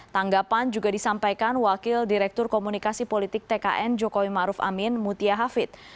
tanggapan juga disampaikan wakil direktur komunikasi politik tkn jokowi ⁇ maruf ⁇ amin mutia hafid